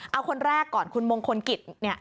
เอาคนแรกก่อนคุณมงคลกิจ